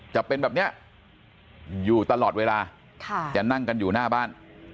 จะเป็นแบบนี้อยู่ตลอดเวลาจะนั่งกันอยู่หน้าบ้าน